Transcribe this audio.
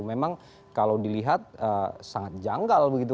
memang kalau dilihat sangat janggal begitu